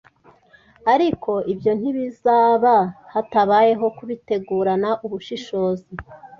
Ariko ibyo ntibizaba hatabayeho kubitegurana ubushishozi